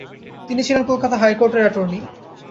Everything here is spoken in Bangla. তিনি ছিলেন কলকাতা হাইকোর্টের অ্যাটর্নি।